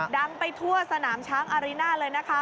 ดังไปทั่วสนามช้างอารีน่าเลยนะคะ